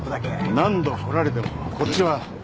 何度来られてもこっちは。